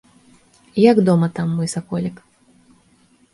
Як дома там, мой саколік?